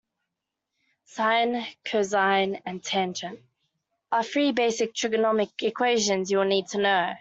Sine, cosine and tangent are three basic trigonometric equations you'll need to know.